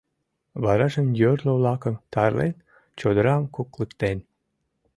Варажым йорло-влакым тарлен, чодырам куклыктен.